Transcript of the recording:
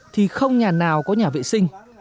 thì không nhà nào có nhà vệ sinh